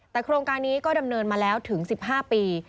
แต่โครงการนี้ก็ดำเนินมาแล้วถึง๑๕ปี